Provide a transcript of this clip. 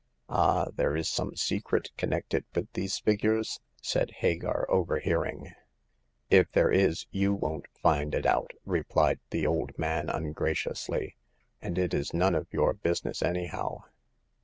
Ah! there is some secret connected with these figures ?" said Hagar, overhearing. " If there is, you won't find it out,*' replied the old man, ungraciously; and it is none of your business, anyhow